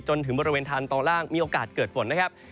จนถึงบริเวณทางตอนล่างมีโอกาสเกิดฝนนะครับ